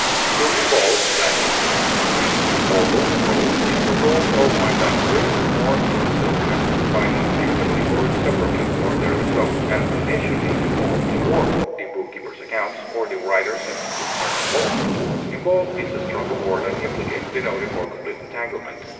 To involve (L. in, in, and volvo, roll) is to roll or wind up with or in so as to combine inextricably or inseparably, or nearly so; as, the nation is involved in war; the bookkeeper's accounts, or the writer's sentences are involved. Involve is a stronger word than implicate, denoting more complete entanglement.